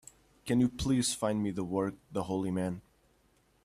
Can you please find me the work, The Holy Man?